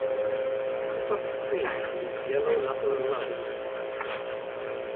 Pupa green, with yellow lateral lines.